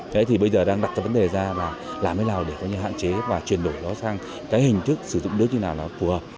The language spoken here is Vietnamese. thế thì bây giờ đang đặt ra vấn đề ra là làm thế nào để có những hạn chế và chuyển đổi nó sang cái hình thức sử dụng nước như nào là phù hợp